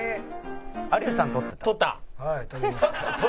有吉さん取ってた。